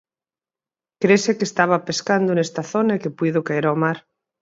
Crese que estaba pescando nesta zona e que puido caer o mar.